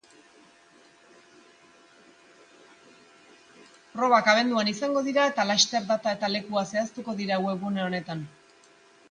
Probak abenduan izango dira eta laster data eta lekua zehaztuko dira webgune honetan.